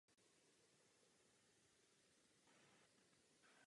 Je vždy nejtěžší napsat první slova románu.